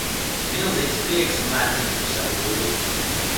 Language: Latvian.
Milzīgs prieks un lepnums par savu puiku.